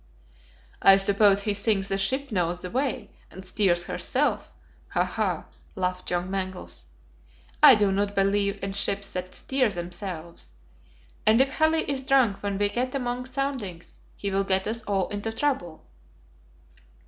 "I suppose he thinks the ship knows the way, and steers herself." "Ha! ha!" laughed John Mangles; "I do not believe in ships that steer themselves; and if Halley is drunk when we get among soundings, he will get us all into trouble."